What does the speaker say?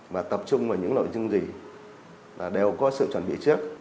và tập trung vào những nội dung gì đều có sự chuẩn bị trước